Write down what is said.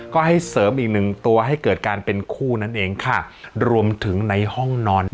ก็ให้เสริมอีกหนึ่งตัวให้เกิดการเป็นคู่นั่นเองค่ะรวมถึงในห้องนอน